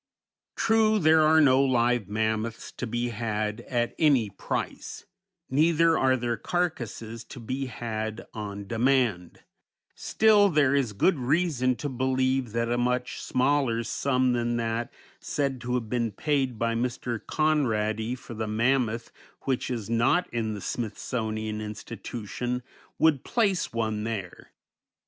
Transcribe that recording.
True, there are no live mammoths to be had at any price; neither are their carcasses to be had on demand; still there is good reason to believe that a much smaller sum than that said to have been paid by Mr. Conradi for the mammoth which is not in the Smithsonian Institution, would place one there.